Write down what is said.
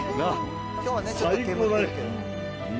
最高だね。